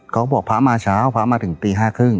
เขาบอกพระมาเช้าพระมาถึงตี๕๓๐